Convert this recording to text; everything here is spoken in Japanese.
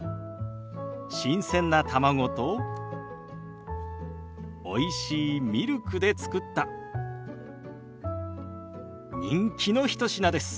新鮮な卵とおいしいミルクで作った人気の一品です。